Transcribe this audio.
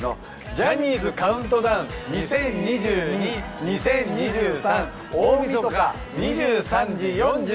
『ジャニーズカウントダウン２０２２２０２３』大晦日２３時４５分から生放送です。